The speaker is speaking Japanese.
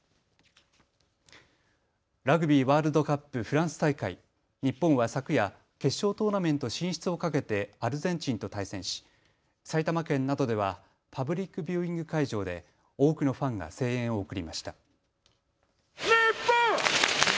ラグビーワールドカップフランス大会、日本は昨夜、決勝トーナメント進出をかけてアルゼンチンと対戦し埼玉県などではパブリックビューイング会場で多くのファンが声援を送りました。